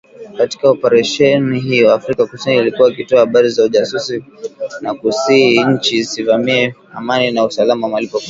Katika Oparesheni hiyo, Afrika kusini ilikuwa ikitoa habari za ujasusi na kusii inchi ivamie amani na usalama mahali pote